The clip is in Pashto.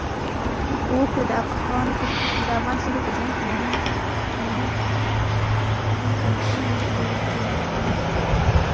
وګړي د افغان ښځو په ژوند کې هم یو رول لري.